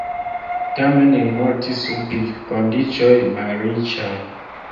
Tamen li mortis sub vivkondiĉoj malriĉaj.